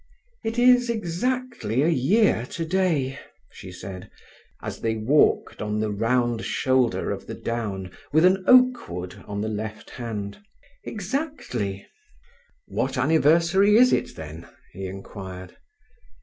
"It is exactly a year today," she said, as they walked on the round shoulder of the down with an oak wood on the left hand. "Exactly!" "What anniversary is it, then?" he inquired.